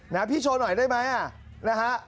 นะครับพี่โชว์หน่อยได้ไหม